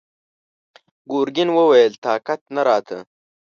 ګرګين وويل: طاقت نه راته!